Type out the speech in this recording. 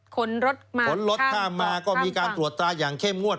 ขนรถมาขนรถข้ามมาก็มีการตรวจตราอย่างเข้มงวด